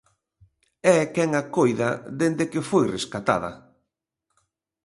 É quen a coida dende que foi rescatada.